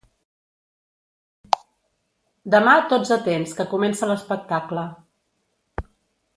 Demà tots atents que comença l'espectacle.